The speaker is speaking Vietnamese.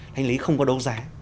thanh lý không có đấu giá